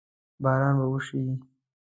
باران به وشي؟